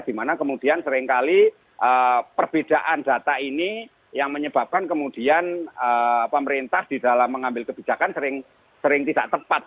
dimana kemudian seringkali perbedaan data ini yang menyebabkan kemudian pemerintah di dalam mengambil kebijakan sering tidak tepat